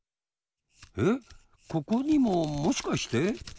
えっここにももしかして？